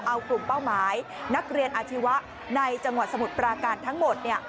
เอากลุ่มเป้าหมายนักเรียนอาชีวะในจังหวัดสมุทรปราการทั้งหมด